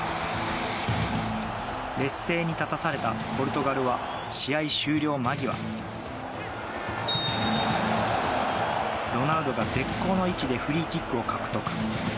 劣勢に立たされたポルトガルは試合終了間際ロナウドが絶好の位置でフリーキックを獲得。